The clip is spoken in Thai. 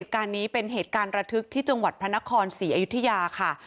เหตุการณ์นี้เป็นเหตุการณ์ระทึกที่จังหวัดพระนครศรีอยุธยาค่ะ